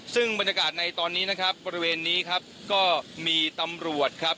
ซึ่งบรรยากาศในตอนนี้นะครับบริเวณนี้ครับก็มีตำรวจครับ